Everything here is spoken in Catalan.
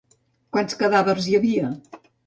Quants cadàvers hi havia?